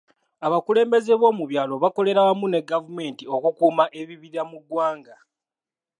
Abakulembeze b'omu byalo bakolera wamu ne gavumenti okukuuma ebibira mu ggwanga.